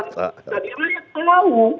jadi rakyat tahu